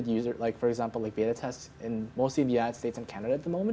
misalnya seperti beta test di kebanyakan negara amerika dan kanada saat ini